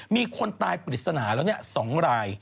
มีคนตายปริศนาแล้ว๒ราย